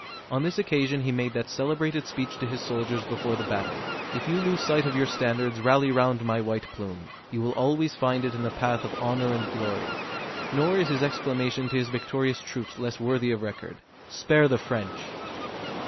On this occasion he made that celebrated speech to his soldiers before the battle: "If you lose sight of your standards, rally round my white plume; you will always find it in the path of honor and glory." Nor is his exclamation to his victorious troops less worthy of record: "Spare the French!"